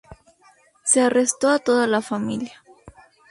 Se arrestó a toda la familia.